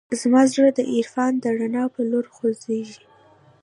زما زړه د عرفان د رڼا په لور خوځېږي.